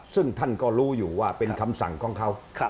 ซึ่งท่านก็รู้อยู่ว่าเป็นคำสั่งของเขา